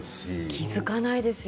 気付かないですよ。